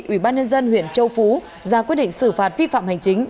ủy ban nhân dân huyện châu phú ra quyết định xử phạt vi phạm hành chính